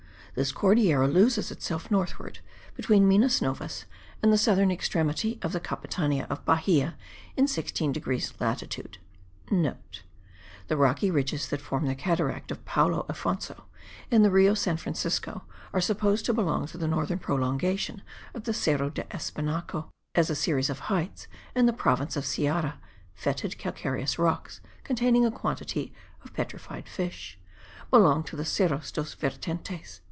This Cordillera loses itself northward,* between Minas Novas and the southern extremity of the Capitania of Bahia, in 16 degrees latitude. (* The rocky ridges that form the cataract of Paulo Affonso, in the Rio San Francisco, are supposed to belong to the northern prolongation of the Serra do Espinhaco, as a series of heights in the province of Seara (fetid calcareous rocks containing a quantity of petrified fish) belong to the Serra dos Vertentes.)